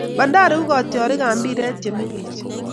Bandari ko katiarik ab Mpiret che mengej